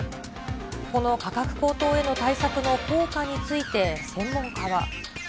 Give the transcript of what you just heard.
この価格高騰への対策の効果について専門家は。